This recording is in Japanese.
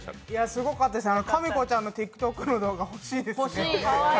すごかったです、かみこちゃんのＴｉｋＴｏｋ動画欲しいです。